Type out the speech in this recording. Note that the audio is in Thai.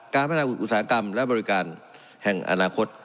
การพัฒนาอุตสาหกรรมและบริการแห่งอนาคต